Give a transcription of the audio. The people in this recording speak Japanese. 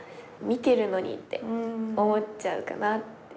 見てるのにって思っちゃうかなって。